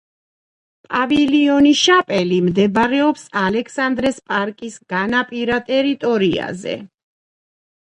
პავილიონი შაპელი მდებარეობს ალექსანდრეს პარკის განაპირა ტერიტორიაზე.